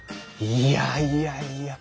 いやいやいや。